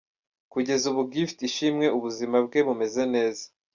Kugeza ubu Gift Ishimwe ubuzima bwe bumeze neza.